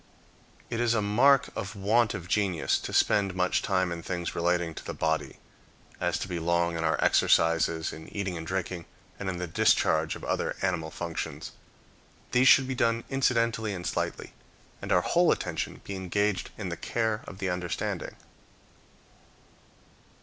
It is a mark of want of genius to spend much time in things relating to the body, as to be long in our exercises, in eating and drinking, and in the discharge of other animal functions. These should be done incidentally and slightly, and our whole attention be engaged in the care of the understanding.